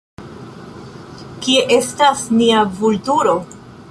Kie estas nia Vulturo?